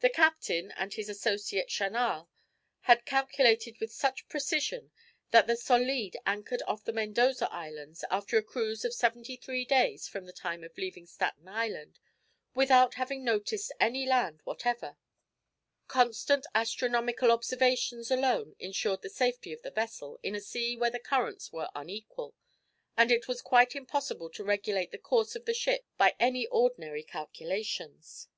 The captain, and his associate Chanal, had calculated with such precision, that the Solide anchored off the Mendoza Islands, after a cruise of seventy three days from the time of leaving Staten Island, without having noticed any land whatever. Constant astronomical observations alone ensured the safety of the vessel in a sea where the currents were unequal, and it was quite impossible to regulate the course of the ship by any ordinary calculations.